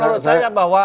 menurut saya bahwa